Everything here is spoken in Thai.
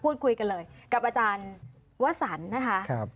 พูดคุยกันเลยกับอาจารย์วสันนะคะ